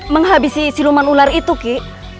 menghabisi si luman ular itu ki